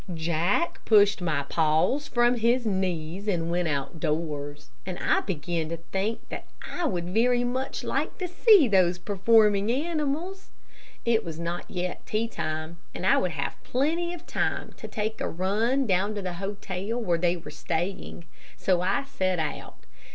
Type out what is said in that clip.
Jack pushed my paws from his knees and went outdoors, and I began to think that I would very much like to see those performing animals. It was not yet tea time, and I would have plenty of time to take a run down to the hotel where they were staying; so I set out.